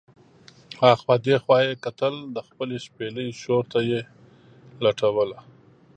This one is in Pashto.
اخوا دې خوا یې کتل، د خپلې شپېلۍ شور ته یې لټوله.